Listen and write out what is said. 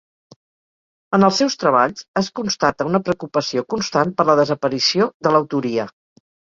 En els seus treballs es constata una preocupació constant per la desaparició de l'autoria.